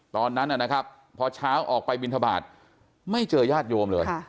ตอนนั้นนะครับพอเช้าออกไปบินทบาทไม่เจอญาติโยมเลย